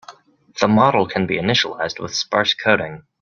The model can be initialized with sparse coding.